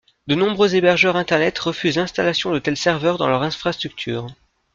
De nombreux hébergeurs Internet refusent l'installation de tels serveurs dans leurs infrastructures.